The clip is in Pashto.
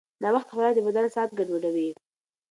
ناوخته خوراک د بدن ساعت ګډوډوي.